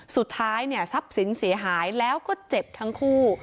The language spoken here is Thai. สุดท้ายเนี่ยทรัพย์สินเสียหายแล้วก็เจ็บทั้งคู่